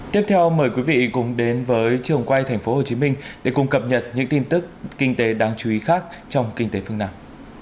tiếp theo mời quý vị cùng đến với trường quay tp hcm để cùng cập nhật những tin tức kinh tế đáng chú ý khác trong kinh tế phương nam